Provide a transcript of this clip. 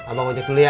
abang ajak dulu ya